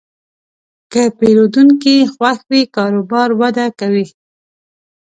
که پیرودونکی خوښ وي، کاروبار وده کوي.